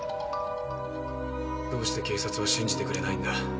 どうして警察は信じてくれないんだ？